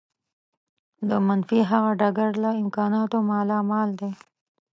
د منفي هغه ډګر له امکاناتو مالامال دی.